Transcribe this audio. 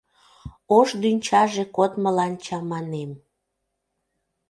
Ош дӱнчаже кодмылан чаманем.